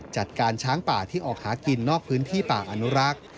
จัดการช้างป่าที่ออกหากินนอกพื้นที่ป่าอนุรักษ์